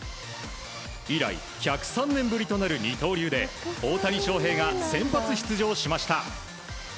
以来、１０３年ぶりとなる二刀流で大谷翔平が先発出場しました。